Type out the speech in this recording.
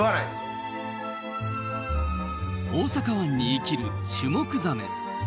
大阪湾に生きるシュモクザメ。